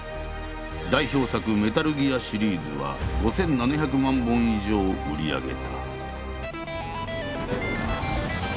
代表作「メタルギア」シリーズは５，７００万本以上売り上げた。